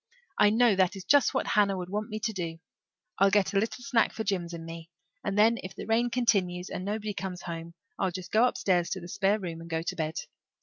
"I know that is just what Hannah would want me to do. I'll get a little snack for Jims and me, and then if the rain continues and nobody comes home I'll just go upstairs to the spare room and go to bed.